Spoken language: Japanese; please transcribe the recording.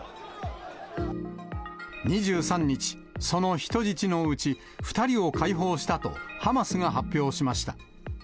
２３日、その人質のうち、２人を解放したとハマスが発表しました。